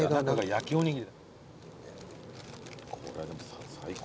焼きおにぎり。